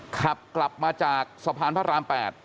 ขับกลับมาจากสะพานพระราม๘